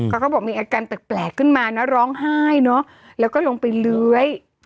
เขาบอกมีอาการแปลกขึ้นมานะร้องไห้เนอะแล้วก็ลงไปเลื้อย